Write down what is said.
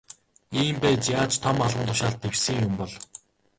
Ийм байж яаж том албан тушаалд дэвшсэн юм бол.